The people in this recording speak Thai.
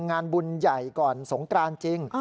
งานบุญใหญ่ก่อนสงกรานจริง